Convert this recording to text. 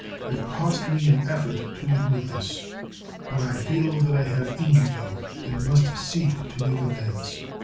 It costs me an effort to admit this; but I feel that I have injured you, and must seek to make amends.